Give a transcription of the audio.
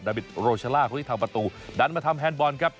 บิทโรชาล่าคนที่ทำประตูดันมาทำแฮนดบอลครับ